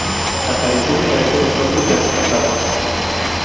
Aparición de caracteres propios de antepasados.